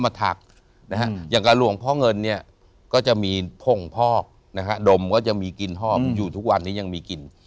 ทักนะฮะอย่างกับหลวงพ่อเงินเนี่ยก็จะมีผ่งพอกนะฮะดมก็จะมีกินหอบอยู่ทุกวันนี้ยังมีกิน